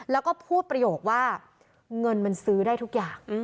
แล้วก็พูดประโยคว่าเงินมันซื้อได้ทุกอย่าง